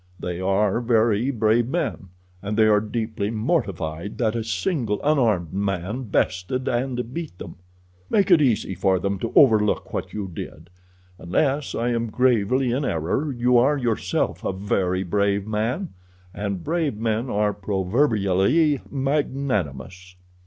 They are very brave men, and they are deeply mortified that a single unarmed man bested and beat them. "Make it easy for them to overlook what you did. Unless I am gravely in error you are yourself a very brave man, and brave men are proverbially magnanimous."